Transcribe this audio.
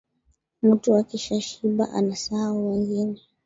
Mutu akisha shiba anasahau wengine